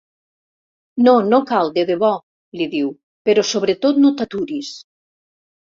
No, no cal, de debò —li diu—, però sobretot no t'aturis.